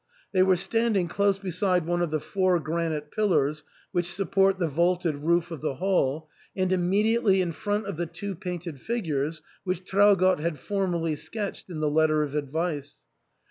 They were standing close beside one of the four granite pillars w^hich sup port the vaulted roof of the hall, and immediately in front of the two painted figures which Traugott had formerly sketched in the letter of advice.